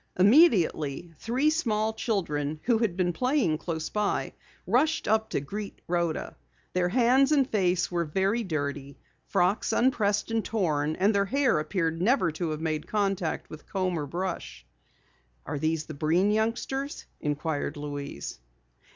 Immediately three small children who had been playing close by, rushed up to greet Rhoda. Their hands and faces were very dirty, frocks unpressed and torn, and their hair appeared never to have made contact with comb or brush. "Are these the Breen youngsters?" inquired Louise.